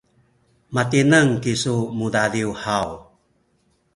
matineng kisu mudadiw haw?